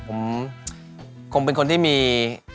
ผมคงเป็นคนที่มี